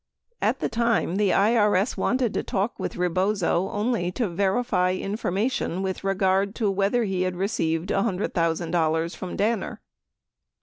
98 At the time, the IRS wanted to talk with Rebozo only to verify information with regard to whether he had received $100,000 from Danner.